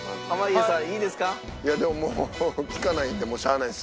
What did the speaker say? いやでももう聞かないんでしゃあないですね。